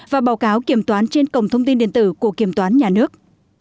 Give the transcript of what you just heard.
và báo cáo kiểm toán trên cổng thông tin điện tử của kiểm toán nhà nước